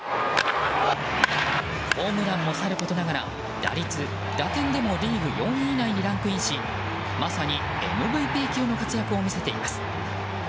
ホームランもさることながら打率、打点でもリーグ４位以内にランクインしまさにＭＶＰ級の活躍を見せています。